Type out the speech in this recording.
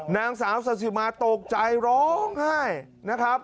นางสาวสาธิมาตกใจร้องไห้นะครับ